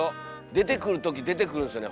出てくるとき出てくるんですよね